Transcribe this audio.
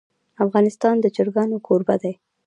افغانستان د چرګان کوربه دی.